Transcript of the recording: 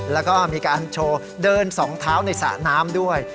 แล้วก็มีการโชว์เดินสองเท้าในสระน้ำด้วย